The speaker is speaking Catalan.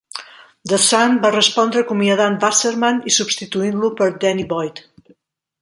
The Sun va respondre acomiadant Wasserman i substituint-lo per Denny Boyd.